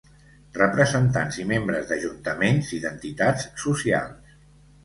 Representants i membres d'Ajuntaments i d'entitats socials.